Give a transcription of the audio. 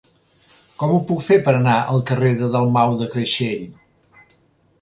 Com ho puc fer per anar al carrer de Dalmau de Creixell?